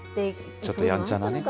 ちょっとやんちゃな。